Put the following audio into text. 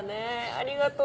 ありがとう。